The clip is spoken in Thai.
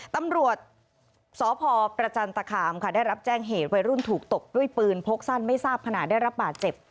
ตำรวจสพประจันตคามค่ะได้รับแจ้งเหตุวัยรุ่นถูกตบด้วยปืนพกสั้นไม่ทราบขนาดได้รับบาดเจ็บ